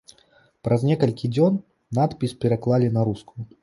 Праз некалькі дзён надпіс пераклалі на рускую.